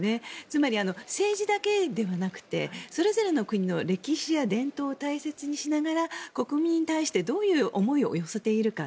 つまり、政治だけではなくてそれぞれの国の歴史や伝統を大切にしながら国民に対してどういう思いを寄せているか。